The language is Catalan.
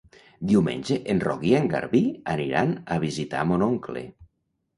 Diumenge en Roc i en Garbí aniran a visitar mon oncle.